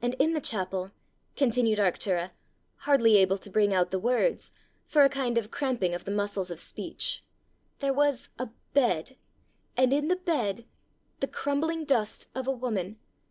And in the chapel," continued Arctura, hardly able to bring out the words, for a kind of cramping of the muscles of speech, "there was a bed! and in the bed the crumbling dust of a woman!